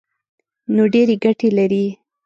نو ډېرې ګټې لري.